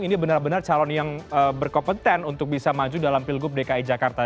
ini benar benar calon yang berkompeten untuk bisa maju dalam pilgub dki jakarta